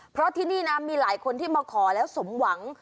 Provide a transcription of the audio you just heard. เพราะที่นี่นะมีหลายคนที่มาขอแล้วสมหวัง